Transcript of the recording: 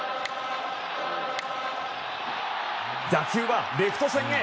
打球はレフト線へ。